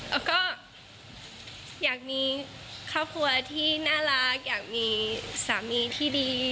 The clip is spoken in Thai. แล้วก็อยากมีครอบครัวที่น่ารักอยากมีสามีที่ดี